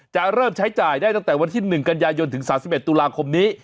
จะเริ่มใช้จ่ายได้ตั้งแต่วันที่๑กันยายนถึง๓๑ตุลาคมนี้